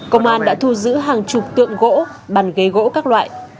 công an đã thu giữ hàng chục tượng gỗ bàn ghế gỗ các loại